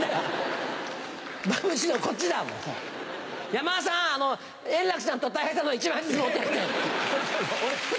山田さん円楽さんとたい平さんの１枚ずつ持ってって！